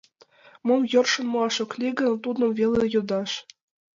Мом йӧршын муаш ок лий гын, тудым веле йодаш.